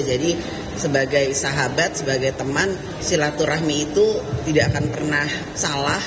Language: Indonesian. jadi sebagai sahabat sebagai teman silaturahmi itu tidak akan pernah salah